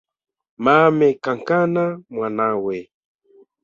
Mame kankana mwanawe